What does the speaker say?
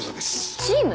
チーム？